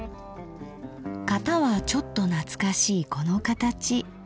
型はちょっと懐かしいこの形。